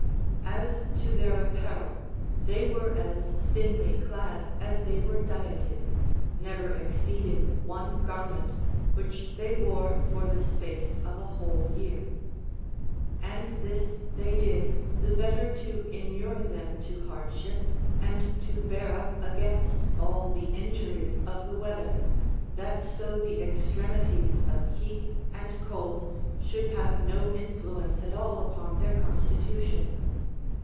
5. As to their apparel, they were as thinly clad as they were dieted, never exceeding one garment, which they wore for the space of a whole year. And this tliey did, the better to inure them to hardship and to bear up against all the injuries of the weather, that so the extremities of heat and cold should have no influence at all upon their constitution.